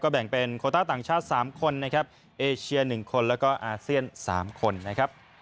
แบ่งเป็นโคต้าต่างชาติ๓คนนะครับเอเชีย๑คนแล้วก็อาเซียน๓คนนะครับ